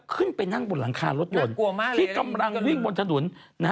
ขึ้นไปนั่งบนหลังคารถยนต์ที่กำลังวิ่งบนถนน